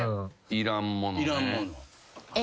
いらんもの。